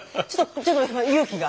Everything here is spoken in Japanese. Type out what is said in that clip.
ちょっと勇気が。